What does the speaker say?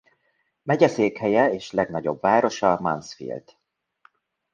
Megyeszékhelye és legnagyobb városa Mansfield.